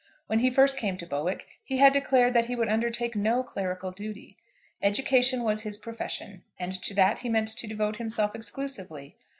When he first came to Bowick he had declared that he would undertake no clerical duty. Education was his profession, and to that he meant to devote himself exclusively.